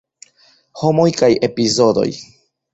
Homoj kaj epizodoj.